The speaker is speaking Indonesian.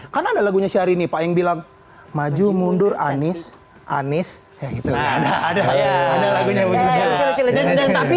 karena lagunya syahrini pak yang bilang maju mundur anies anies ada lagunya tapi